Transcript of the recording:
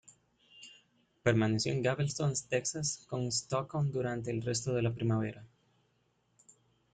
Permaneció en Galveston, Texas, con Stockton durante el resto de la primavera.